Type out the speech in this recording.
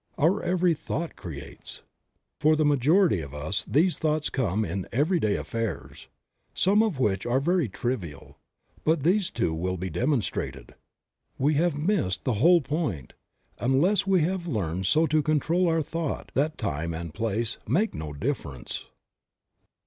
Our every thought creates. For the majority of us these thoughts come in every day affairs, some of which are very trivial, but these too will be demonstrated. . We have missed the whole point, unless we have learned so to control our thought that time and place make no difference.